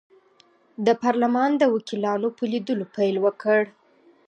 د پارلمان د وکیلانو په لیدلو پیل وکړ.